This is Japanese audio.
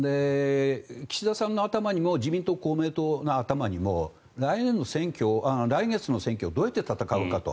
岸田さんの頭にも自民党、公明党の頭にも来月の選挙をどうやって戦うかと。